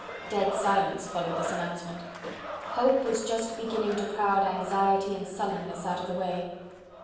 Dead silence followed this announcement. Hope was just beginning to crowd anxiety and sullenness out of the way.